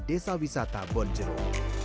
desa wisata bonjero